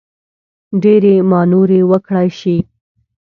ډېرې مانورې وکړای شي.